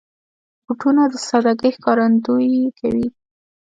بوټونه د سادګۍ ښکارندويي کوي.